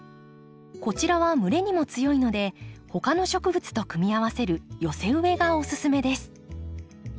こちらは蒸れにも強いので他の植物と組み合わせる寄せ植えがおすすめです。